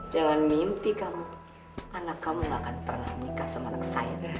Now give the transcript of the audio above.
jangan mimpi kamu anak kamu nggak akan pernah bernikah sama anak saya nek